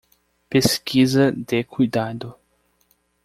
Pesquisa de cuidado